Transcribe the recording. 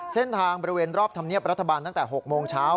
เส้นทางบริเวณรอบธรรมเนียบรัฐบาลตั้งแต่๖โมงเช้า